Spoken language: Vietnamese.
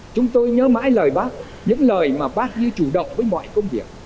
chúng tôi nhớ mãi lời bắc những lời mà bắc như chủ động với mọi công việc